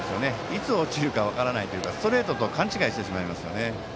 いつ落ちるか分からないというかストレートと勘違いしてしまいますね。